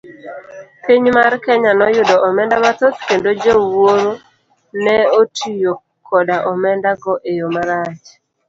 Piny mar Kenya noyudo omenda mathoth kendo jowuoro neotiyo koda omenda go eyo marach.